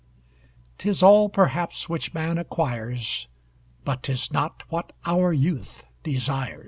_ 'Tis all perhaps which man acquires, But 'tis not what our youth desires.